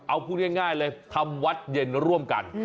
เอาพูดง่ายเลยทำวัดเย็นร่วมกัน